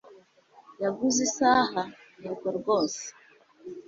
"Yaguze isaha?" "Yego rwose."